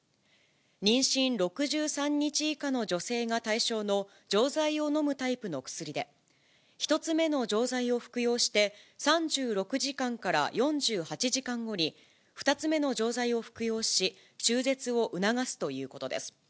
妊娠６３日以下の女性が対象の錠剤をのむタイプの薬で、１つ目の錠剤を服用して、３６時間から４８時間後に、２つ目の錠剤を服用し、中絶を促すということです。